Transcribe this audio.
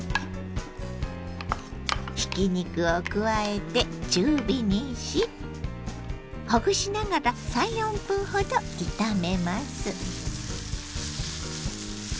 ひき肉を加えて中火にしほぐしながら３４分ほど炒めます。